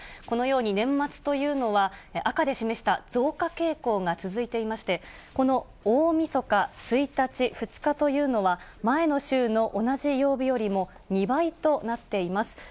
このように年末というのは、赤で示した増加傾向が続いていまして、この大みそか、１日、２日というのは、前の週の同じ曜日よりも、２倍となっています。